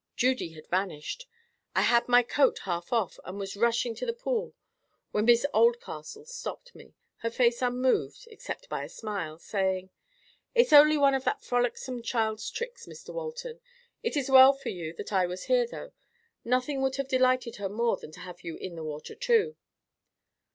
Judy had vanished. I had my coat half off, and was rushing to the pool, when Miss Oldcastle stopped me, her face unmoved, except by a smile, saying, "It's only one of that frolicsome child's tricks, Mr Walton. It is well for you that I was here, though. Nothing would have delighted her more than to have you in the water too."